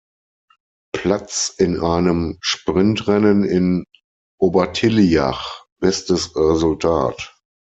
Platz in einem Sprintrennen in Obertilliach bestes Resultat.